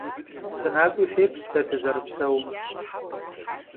ФынакӀуи феплъ дэ дызэрыпсэум.